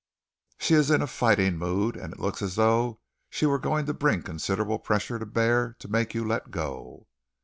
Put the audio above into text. She is in a fighting mood, and it looks as though she were going to bring considerable pressure to bear to make you let go."